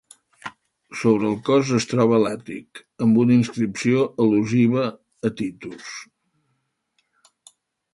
Sobre el cos es troba l'àtic, amb una inscripció al·lusiva a Titus.